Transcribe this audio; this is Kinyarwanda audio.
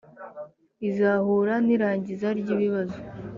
izahura n’irangiza ry’ibibazo